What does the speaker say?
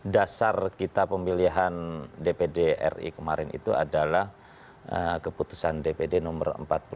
dasar kita pemilihan dpd ri kemarin itu adalah keputusan dpd nomor empat puluh empat dua ribu tujuh belas